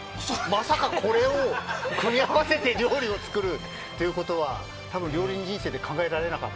まさか、これを組み合わせて料理を作るということは料理人人生で考えられなかった。